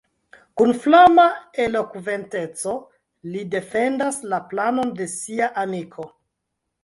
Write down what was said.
Kun flama elokventeco li defendas la planon de sia amiko.